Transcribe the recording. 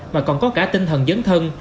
mà còn có cả tinh thần dấn thân